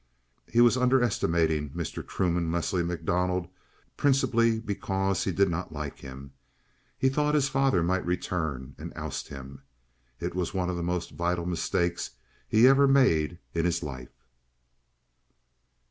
He was underestimating Mr. Truman Leslie MacDonald, principally because he did not like him. He thought his father might return and oust him. It was one of the most vital mistakes he ever made in his life.